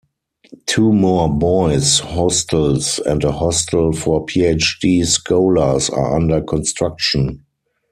Two more boys' hostels and a hostel for PhD scholars are under construction.